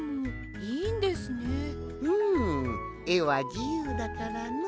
うんえはじゆうだからのう。